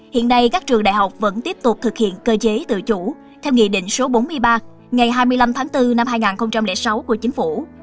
hiện nay các trường đại học vẫn tiếp tục thực hiện cơ chế tự chủ theo nghị định số bốn mươi ba ngày hai mươi năm tháng bốn năm hai nghìn sáu của chính phủ